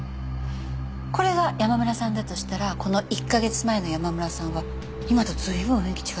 これが山村さんだとしたらこの１カ月前の山村さんは今と随分雰囲気違いますよね。